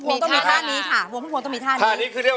เดี๋ยวขออีกท่าหน่อยค่ะวงพุ่มพวงต้องมีท่านี้ค่ะ